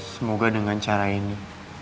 semoga dengan cara ini